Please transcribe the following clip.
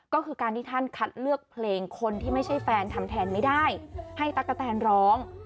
ก็คือการที่ท่านคัดเลือกเพลงคนที่ไม่ใช่แฟนทำแทนไม่ได้ให้ตั๊กกะแตนร้อง